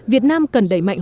việt nam cần đẩy mạnh